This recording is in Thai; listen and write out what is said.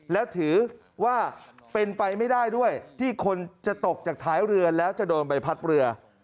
แล้วถือว่าเป็นไปไม่ได้ด้วยที่คนจะตกจากท้ายเรือแล้วจะโดนใบพัดเรือ